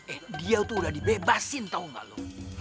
eh dia itu udah dibebasin tahu gak lo